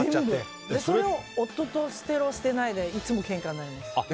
それを夫と捨てる捨てないでいつもけんかになります。